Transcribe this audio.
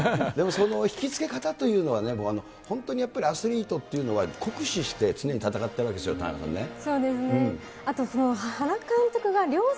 でもその引き付け方というのはね、本当にやっぱりアスリートっていうのは酷使して、常に戦ってるわけですよね、田中さんね。